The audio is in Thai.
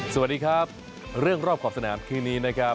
สวัสดีครับเรื่องรอบขอบสนามคืนนี้นะครับ